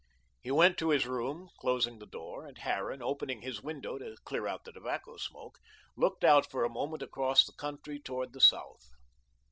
He went to his room, closing the door, and Harran, opening his window to clear out the tobacco smoke, looked out for a moment across the country toward the south.